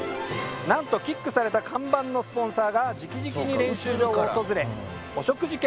なんとキックされた看板のスポンサーが直々に練習場を訪れお食事券をプレゼント！